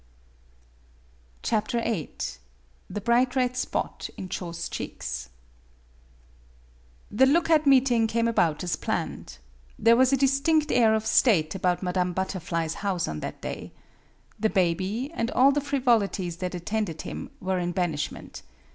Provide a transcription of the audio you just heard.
VIII THE BRIGHT RED SPOT IN CHO'S CHEEKS THE look at meeting came about as planned. There was a distinct air of state about Ma dame Butterfly's house on that day. The baby, and all the frivolities that attended him, were in banishment.